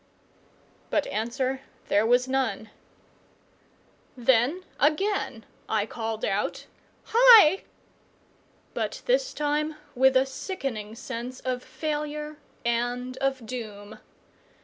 But answer there was none. Then again I called, "Hi!" but this time with a sickening sense of failure and of doom.